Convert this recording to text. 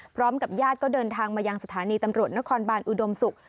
พร้อมกับญาติก็เดินทางมายังสถานีตำรวจนครบานอุดมศุกร์